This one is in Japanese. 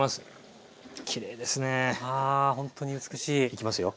いきますよ。